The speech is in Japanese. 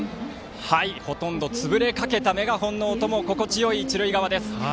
ほとんど潰れかけたメガホンの音も心地よい一塁側です。